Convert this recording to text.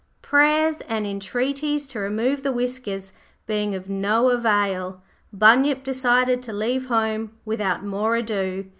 Prayers and entreaties to remove the whiskers being of no avail, Bunyip decided to leave home without more ado.